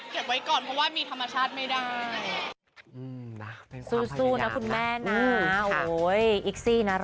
เก็บไว้ตอนนี้เก็บไว้ก่อน